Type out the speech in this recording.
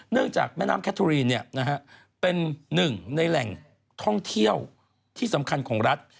จากแม่น้ำแคทอรีนเป็นหนึ่งในแหล่งท่องเที่ยวที่สำคัญของรัฐ